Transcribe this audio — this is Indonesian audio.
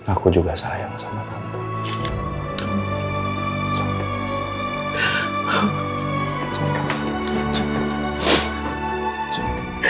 aku juga sayang sama tante